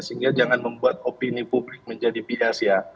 sehingga jangan membuat opini publik menjadi bias ya